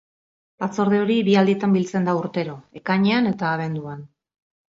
Batzorde hori bi alditan biltzen da urtero, ekainean eta abenduan.